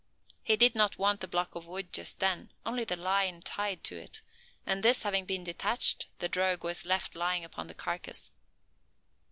He did not want the block of wood just then, only the line tied to it; and this having been detached, the drogue was left lying upon the carcass.